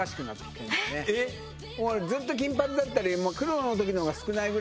ずっと金髪だったり。